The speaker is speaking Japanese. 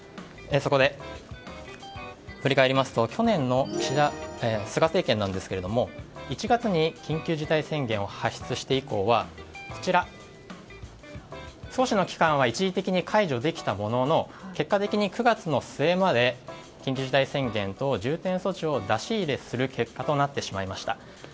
そこで、振り返りますと去年の菅政権なんですけれども１月に緊急事態宣言を発出して以降は少しの期間は一時的に解除できたものの結果的に９月の末まで緊急事態宣言と重点措置を出し入れする結果となってしまいました。